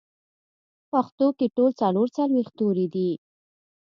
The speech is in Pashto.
پښتو کې ټول څلور څلوېښت توري دي